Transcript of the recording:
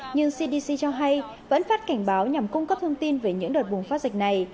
nhưng cdc cho hay vẫn phát cảnh báo nhằm cung cấp thông tin về những đợt bùng phát dịch này